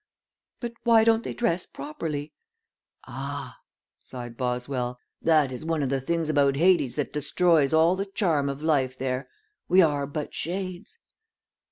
"But why don't they dress properly?" "Ah," sighed Boswell, "that is one of the things about Hades that destroys all the charm of life there. We are but shades."